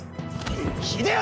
秀吉！